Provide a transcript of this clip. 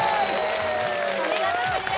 お見事クリアです・